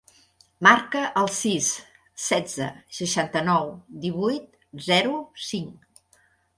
Marca el sis, setze, seixanta-nou, divuit, zero, cinc.